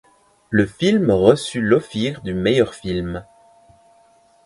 Le film reçut l'Ophir du meilleur film.